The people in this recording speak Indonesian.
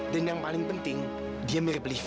dan yang paling penting dia mirip livi